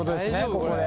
ここで。